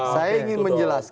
saya ingin menjelaskan